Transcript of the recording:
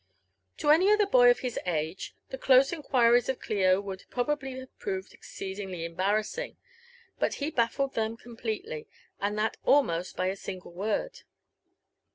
To any other boy of his age, the close inquiries of Clio would pro bably have proved exceedingly embarrassing ; but he baffled them com pletely, and that almost by a single word.